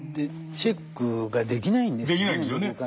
チェックができないんですよね。